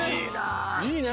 いいね。